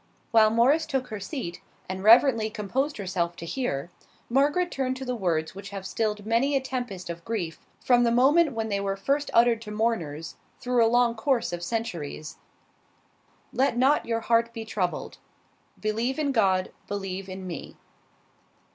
While Morris took her seat, and reverently composed herself to hear, Margaret turned to the words which have stilled many a tempest of grief, from the moment when they were first uttered to mourners, through a long course of centuries, "Let not your heart be troubled." "Believe in God; believe in me."